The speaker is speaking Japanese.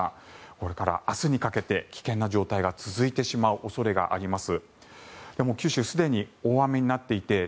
これから明日にかけて危険な状態が続いてしまう恐れがあります。